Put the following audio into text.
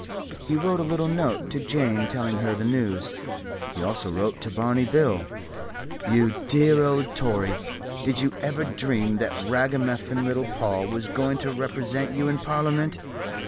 He wrote a little note to Jane telling her the news. He also wrote to Barney Bill: "You dear old Tory did you ever dream that ragamuffin little Paul was going to represent you in Parliament?